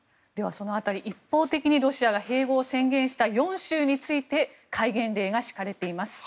その辺り一方的にロシアが併合を宣言した４州について戒厳令が敷かれています。